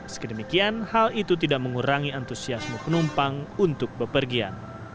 sekedemikian hal itu tidak mengurangi antusiasme penumpang untuk bepergian